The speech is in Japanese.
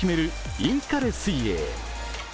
インカレ水泳。